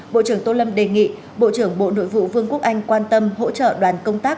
bộ trưởng tô lâm đề nghị bộ trưởng bộ nội vụ vương quốc anh quan tâm hỗ trợ đoàn công tác